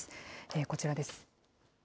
こちらです。